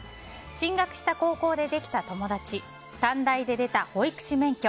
進学した高校でできた友達短大で得た保育士免許。